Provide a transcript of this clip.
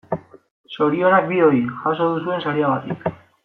Zorionak bioi jaso duzuen sariagatik.